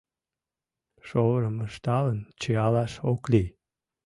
Шовырым ышталын чиялаш ок лий.